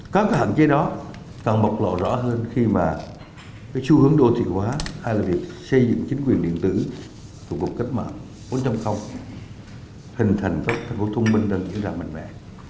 các hạn chế đó càng bộc lộ rõ hơn khi mà xu hướng đô thị hóa hay là việc xây dựng chính quyền điện tử thuộc một cách mạng bốn trăm linh hình thành một thành phố thông minh nâng dữ và mạnh mẽ